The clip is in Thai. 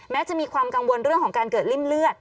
จะมีความกังวลเรื่องของการเกิดริ่มเลือด